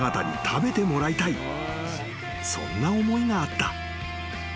［そんな思いがあった］